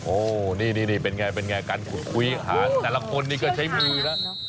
โอ้นี่เป็นไงเป็นไงการขุดคุยหาแต่ละคนนี่ก็ใช้มือนะ